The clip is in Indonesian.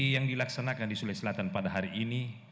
yang dilaksanakan di sulawesi selatan pada hari ini